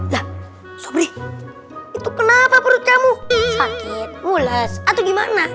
nah subri itu kenapa perut kamu sakit mules atau gimana